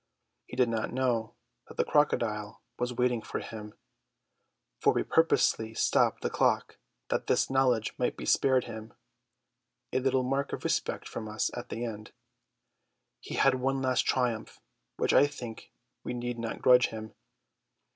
He did not know that the crocodile was waiting for him; for we purposely stopped the clock that this knowledge might be spared him: a little mark of respect from us at the end. He had one last triumph, which I think we need not grudge him.